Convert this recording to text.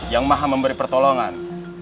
yang maha memberi pertolongan